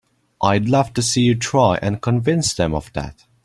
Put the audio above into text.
I'd love to see you try and convince them of that!